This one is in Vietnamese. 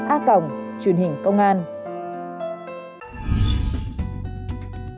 a cồng truyền hình công an nhân dân